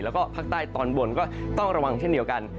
แล้วก็ภาคใต้ตอนบนก็ต้องระวังเช่นเดียวกัน